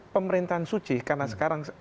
pemerintahan suci karena sekarang